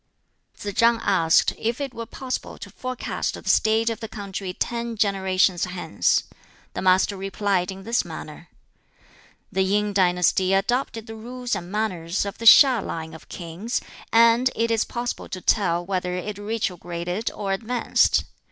Tsz chang asked if it were possible to forecast the state of the country ten generations hence. The Master replied in this manner: "The Yin dynasty adopted the rules and manners of the HiŠ line of kings, and it is possible to tell whether it retrograded or advanced.